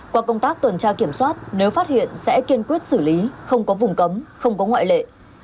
qua công tác tuần tra kiểm soát nếu phát hiện sẽ kiên quyết xử lý không có vùng cấm không có ngoại lệ